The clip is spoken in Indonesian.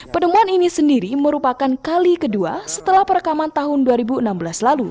penemuan ini sendiri merupakan kali kedua setelah perekaman tahun dua ribu enam belas lalu